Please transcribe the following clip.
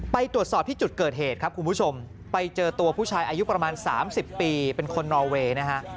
ไปตรวจสอบที่จุดเกิดเหตุครับคุณผู้ชมไปเจอตัวผู้ชายอายุประมาณ๓๐ปีเป็นคนนอเวย์นะฮะ